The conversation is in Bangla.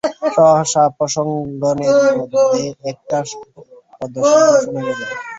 সহসা প্রাঙ্গণের মধ্যে একটা পদশব্দ শোনা গেল।